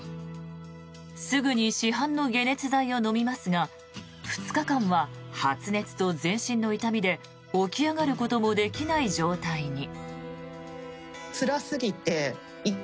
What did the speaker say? すぐに市販の解熱剤を飲みますが２日間は発熱と全身の痛みで起き上がることもできない状態に。